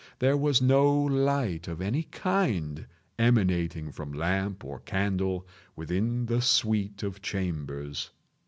There was no light of any kind emanating from lamp or candle within the suite of chambers.